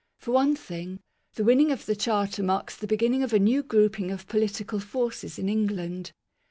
For one thing, the winning of the Charter marks the beginning of a new grouping of political forces in England.